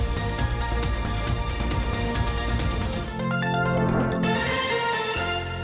โปรดติดตามตอนต่อไป